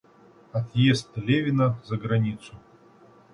Отъезд Левина за границу.